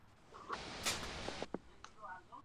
Ya desde entonces ejerce como profesora en todo el mundo.